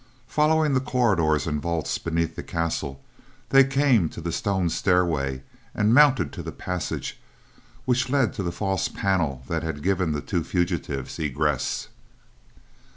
Following the corridors and vaults beneath the castle, they came to the stone stairway, and mounted to the passage which led to the false panel that had given the two fugitives egress.